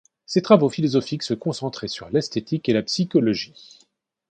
Ses travaux philosophiques se concentraient sur l’esthétique et la psychologie.